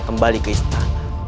kembali ke istana